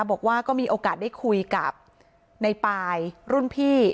บอกว่าก็มีโอกาสได้คุยกับในปายรุ่นพี่